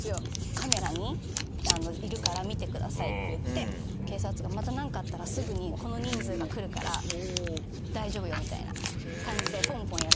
カメラにいるから見てくださいって言って警察が「また何かあったらすぐにこの人数が来るから大丈夫よ」みたいな感じでぽんぽんやられて。